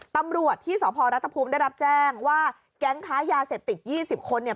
ตำรวจที่สพรัฐภูมิได้รับแจ้งว่าแก๊งค้ายาเสพติด๒๐คนเนี่ย